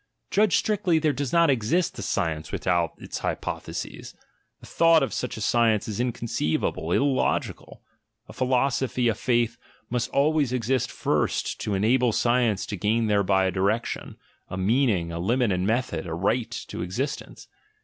Judged strictly, there does not t a science without its "hypotheses," the thought of <nce is inconceivable, illogical: a philosophy, a faith, must always exist first to enable science to gain ASCETIC IDEALS 165 thereby a direction, a meaning, a limit and method, a rigid to existence.